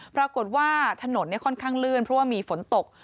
ปรากฏว่าถนนค่อนข้างลื่นเพราะว่ามีฝนตก